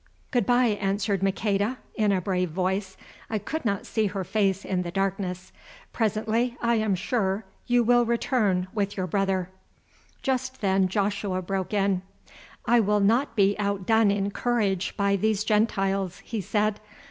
"Good bye," answered Maqueda in a brave voice; I could not see her face in the darkness. "Presently, I am sure, you will return with your brother." Just then Joshua broke in: "I will not be outdone in courage by these Gentiles," he said.